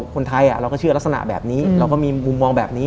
คนไทยเราก็เชื่อลักษณะแบบนี้